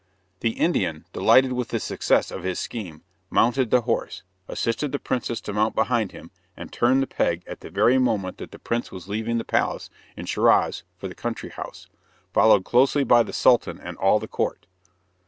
The Indian, delighted with the success of his scheme, mounted the horse, assisted the princess to mount behind him, and turned the peg at the very moment that the prince was leaving the palace in Schiraz for the country house, followed closely by the Sultan and all the court.